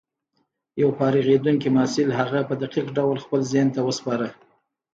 يو فارغېدونکي محصل هغه په دقيق ډول خپل ذهن ته وسپاره.